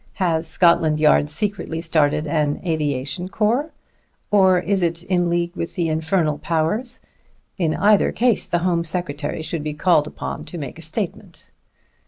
Has Scotland Yard secretly started an aviation corps? Or is it in league with the infernal powers? In either case the Home Secretary should be called upon to make a statement."